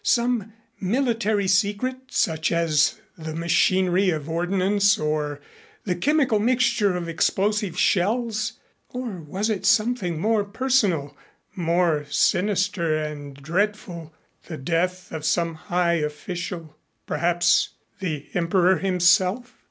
Some military secret such as the machinery of ordnance or the chemical mixture of explosive shells? Or was it something more personal, more sinister and dreadful the death of some high official perhaps the Emperor himself?